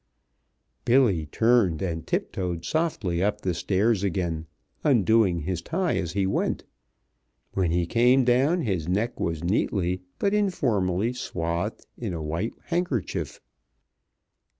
Billy turned and tip toed softly up the stairs again, undoing his tie as he went. When he came down his neck was neatly, but informally swathed in a white handkerchief.